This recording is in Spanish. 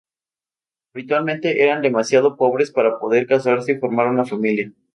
Habitualmente eran demasiado pobres para poder casarse y formar una familia.